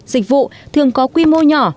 dịch vụ thường có quy mô nhỏ